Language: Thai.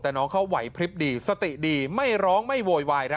แต่น้องเขาไหวพลิบดีสติดีไม่ร้องไม่โวยวาย